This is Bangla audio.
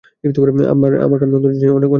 আমার কান অন্যদের চেয়ে অনেক জোরালো।